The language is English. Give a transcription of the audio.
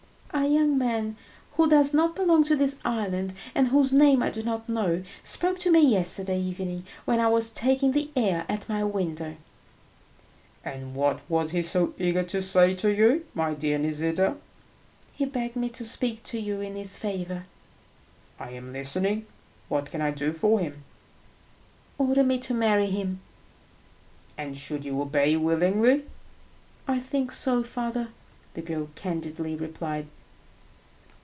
"A young man who does not belong to this island, and whose name I do not know, spoke to me yesterday evening when I was taking the air at my window." "And what was he so eager to say to you, my dear Nisida?" "He begged me to speak to you in his favour." "I am listening. What can I do for him?" "Order me to marry him." "And should you obey willingly?" "I think so, father," the girl candidly replied.